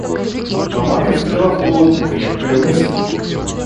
Но маме взбрела в голову крепкая мысль.